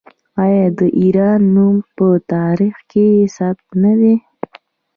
آیا د ایران نوم په تاریخ کې ثبت نه دی؟